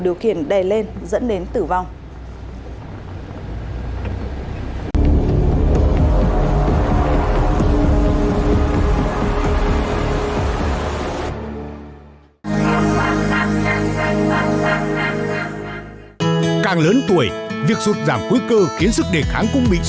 điều khiển đè lên dẫn đến tử vong